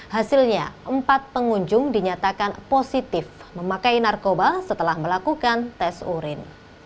hasilnya empat pengunjung dinyatakan positif memakai narkoba setelah melakukan tes urin